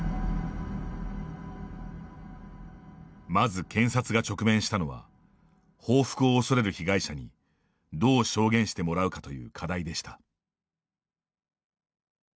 まず検察が直面したのは報復を恐れる被害者にどう証言してもらうかという課題でした。